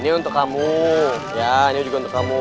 ini untuk kamu ya ini juga untuk kamu